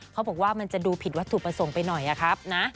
เขาบอกว่ามันจะดูผิดวัตถุประสงค์ไปหน่อยครับนะ